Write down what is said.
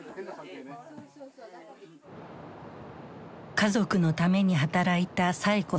家族のために働いたサエ子さん。